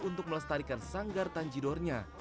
untuk melestarikan sanggar tanjidornya